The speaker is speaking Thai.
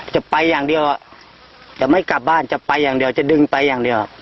จะไปอย่างเดียวจะไม่กลับบ้านจะไปอย่างเดียวจะดึงไปอย่างเดียว